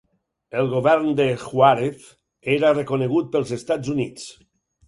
El govern de Juárez era reconegut pels Estats Units.